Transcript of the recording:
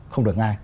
không được ngay